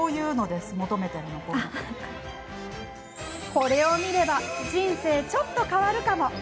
これを見れば人生ちょっと変わるかも。